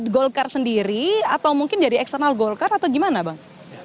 golkar sendiri atau mungkin dari eksternal golkar atau gimana bang